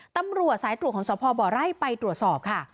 ตำรวจสายตรวจของสพบไร่ไปตรวจสอบค่ะ